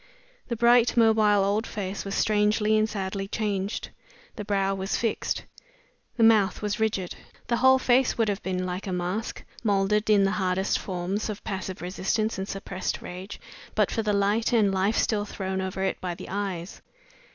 The bright, mobile old face was strangely and sadly changed. The brow was fixed; the mouth was rigid; the whole face would have been like a mask, molded in the hardest forms of passive resistance and suppressed rage, but for the light and life still thrown over it by the eyes.